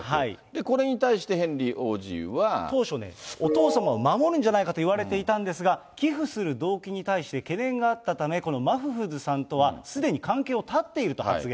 これに対して、ヘ当初ね、お父様を守るんじゃないかといわれていたんですが、寄付する動機に対して懸念があったため、このマフフーズさんとは、すでに関係を絶っていると発言。